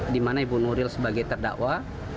dimana ibu nuril sebagai terdakwa